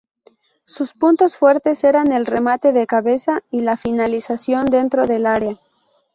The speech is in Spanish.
Sus puntos fuertes eran el remate de cabeza y la finalización dentro del área.